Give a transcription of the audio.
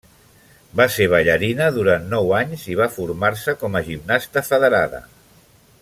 Va ser ballarina durant nou anys i va formar-se com a gimnasta federada.